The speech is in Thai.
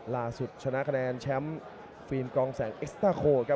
ล่าสุดชนะคะแนนแชมป์ฟีนกองแสงเอ็สต้าโครครับ